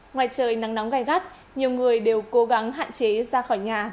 ngoài trời nắng nóng gai gắt nhiều người đều cố gắng hạn chế ra khỏi nhà